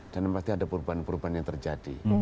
dan pasti ada perubahan perubahan yang terjadi